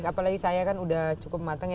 apalagi saya kan udah cukup matang ya